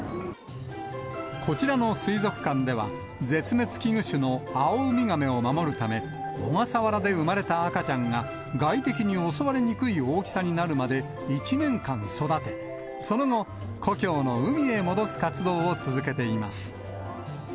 こちらの水族館では、絶滅危惧種のアオウミガメを守るため、小笠原で産まれた赤ちゃんが外敵に襲われにくい大きさになるまで、１年間育て、その後、故郷の海へ戻す活動を続けています。